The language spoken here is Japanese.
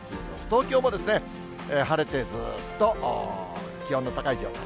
東京も晴れて、ずっと気温の高い状況。